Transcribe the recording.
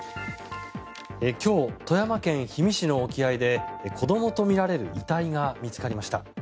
今日富山県氷見市の沖合で子どもとみられる遺体が見つかりました。